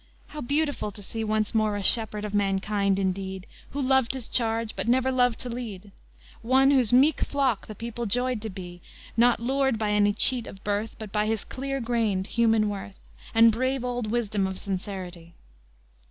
How beautiful to see Once more a shepherd of mankind indeed, Who loved his charge, but never loved to lead; One whose meek flock the people joyed to be, Not lured by any cheat of birth, But by his clear grained human worth, And brave old wisdom of sincerity!